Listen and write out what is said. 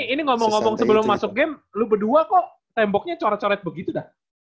ini ngomong ngomong sebelum masuk game lu berdua kok temboknya coret coret begitu dah